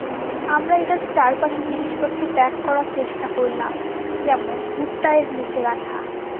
আমরা এটার চারপাশে জিনিসপত্র প্যাক করার চেষ্টা করলাম, যেমন হুডটা এর নীচে রাখা।